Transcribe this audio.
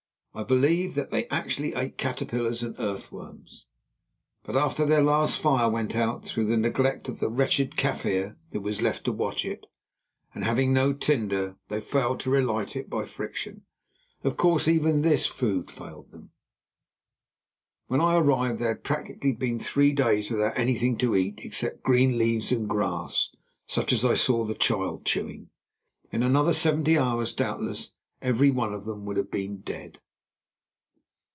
I believe that they actually ate caterpillars and earthworms. But after their last fire went out through the neglect of the wretched Kaffir who was left to watch it, and having no tinder, they failed to relight it by friction, of course even this food failed them. When I arrived they had practically been three days without anything to eat except green leaves and grass, such as I saw the child chewing. In another seventy hours doubtless every one of them would have been dead.